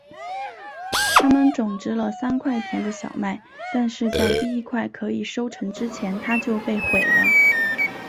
他们种植了三块田的小麦但是在第一块可以收成之前它就被毁了。